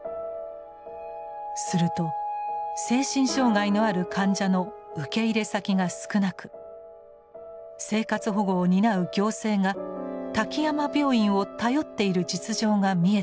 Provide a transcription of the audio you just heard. すると精神障害のある患者の受け入れ先が少なく生活保護を担う行政が滝山病院を頼っている実情が見えてきました。